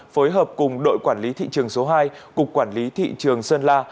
phối hợp cùng đội quản lý thị trường số hai cục quản lý thị trường sơn la